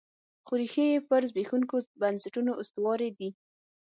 خو ریښې یې پر زبېښونکو بنسټونو استوارې دي.